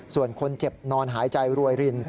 ส่วนคนเจ็บนอนหายใจรวยริน